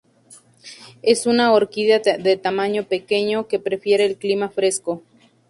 Es una orquídea de tamaño pequeño, que prefiere el clima fresco.